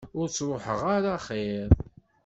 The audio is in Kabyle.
Ur ttruḥeɣ ara axir.